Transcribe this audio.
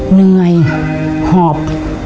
เหนื่อยหอบ